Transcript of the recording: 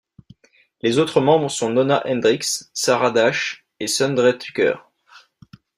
Les autres membres sont Nona Hendryx, Sarah Dash et Sundray Tucker.